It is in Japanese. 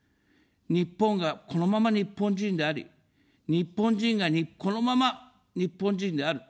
日本がこのまま日本人であり、日本人がこのまま日本人である。